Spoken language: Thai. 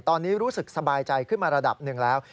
ตอนนี้รู้สึกสบายใจขึ้นมาระดับหนึ่งแล้ว